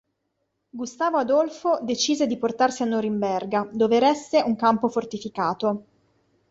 Gustavo Adolfo decise di portarsi a Norimberga, dove eresse un campo fortificato.